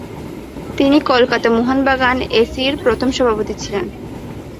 তিনি কলকাতা মোহনবাগান এসি-র প্রথম সভাপতি ছিলেন।